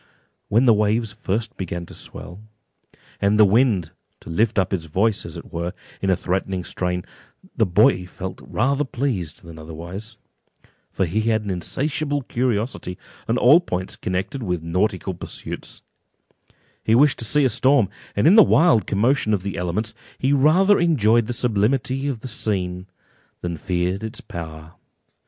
When the waves first began to swell, and the wind to lift up its voice, as it were, in a threatening strain, the boy felt rather pleased than otherwise; for as he had an insatiable curiosity on all points connected with nautical pursuits, he wished to see a storm, and in the wild commotion of the elements, he rather enjoyed the sublimity of the scene than feared its power.